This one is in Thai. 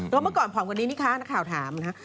แล้วเมื่อก่อนพร้อมกันนี้นี่คะนักข่าวถามนะฮะ